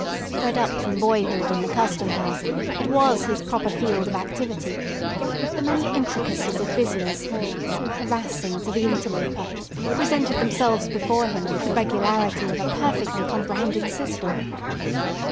Bred up from boyhood in the Custom House, it was his proper field of activity; and the many intricacies of business, so harassing to the interloper, presented themselves before him with the regularity of a perfectly comprehended system.